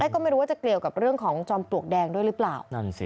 ก็ไม่รู้ว่าจะเกี่ยวกับเรื่องของจอมปลวกแดงด้วยหรือเปล่า